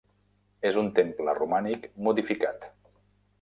És un temple romànic modificat.